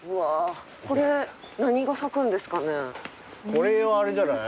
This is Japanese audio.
これはあれじゃない？